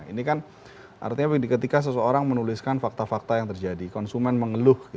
ini kan artinya ketika seseorang menuliskan fakta fakta yang terjadi konsumen mengeluh